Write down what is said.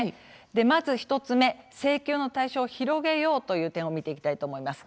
まず請求の対象を広げようという点を見ていきたいと思います。